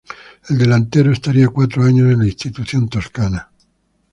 El delantero estaría cuatro años en la institución toscana.